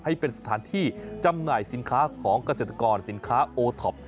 ให้เป็นสถานที่จำหน่ายสินค้าของเกษตรกรสินค้าโอท็อป